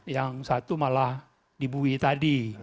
yang satu malah dibuih tadi